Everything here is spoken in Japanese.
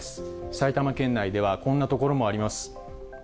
埼玉県内ではこんな所もあります。